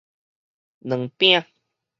卵餅